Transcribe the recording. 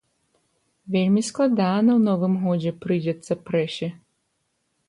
Вельмі складана ў новым годзе прыйдзецца прэсе.